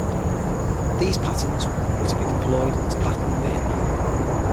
These Pattons were to be deployed to battle in Vietnam.